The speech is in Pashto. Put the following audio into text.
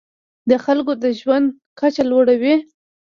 د خلکو د ژوند کچه لوړوي.